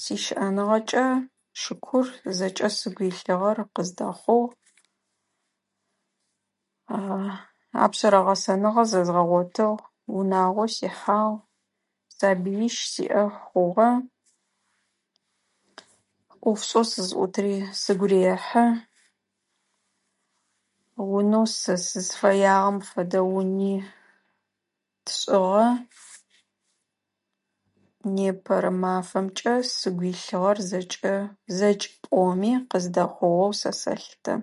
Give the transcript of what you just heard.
Сищыӏэныгъэкӏэ шыкур зэкӏэ сыгу илъыгъэр къыздэхъугъ. Апшърэ гъэсэныгъэ зэзгъэгъотыгъ, унагъо сихьагъ, сабыищ сиӏэ хъугъэ, ӏофшӏэу сызӏутри сыгу рехьы, унэу сэ сызфэягъэм фэдэ уни тшӏыгъэ. Непэрэ мафэмкӏэ сыгу илъыгъэр зэкӏэ, зэкӏ пӏоми къыздэхъугъэу сэ сэлъытэ.